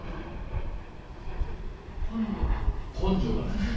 根性がない。